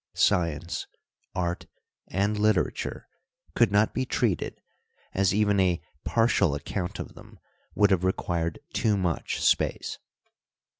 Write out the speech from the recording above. Science, art, and literature could not be treated, as even a partial account of them would have required too much space.